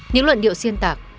những luận điệu xiên tạc